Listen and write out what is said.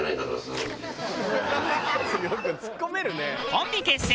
コンビ結成